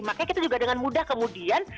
makanya kita juga dengan mudah kemudian